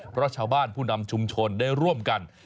เพราะชาวบ้านผู้นำชุมชนได้ร่วมกัน